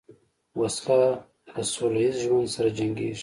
وسله له سولهییز ژوند سره جنګیږي